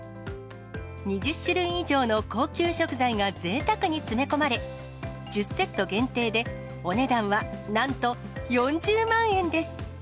２０種類以上の高級食材がぜいたくに詰め込まれ、１０セット限定でお値段はなんと４０万円です。